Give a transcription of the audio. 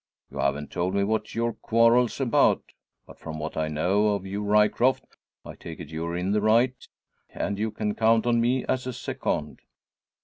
You haven't told me what your quarrel's about; but from what I know of you, Ryecroft, I take it you're in the right, and you can count on me as a second.